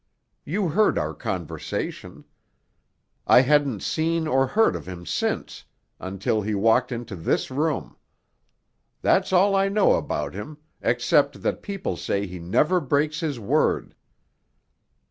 You heard our conversation. I hadn't seen or heard of him since, until he walked into this room. That's all I know about him, except that people say he never breaks his word."